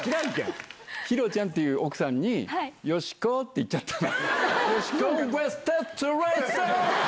ヒロちゃんっていう奥さんに、よしこって言っちゃったの。